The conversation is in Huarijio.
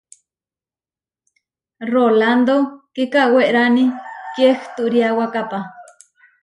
Rolándo kikawérani kiehturiawakápa.